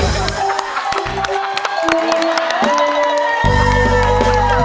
ฝากแม่นั่งรถฝัดทองกลับกัน